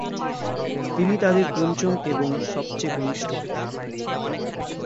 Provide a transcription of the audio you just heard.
তিনি তাদের পঞ্চম এবং সবচেয়ে কনিষ্ঠ পুত্র।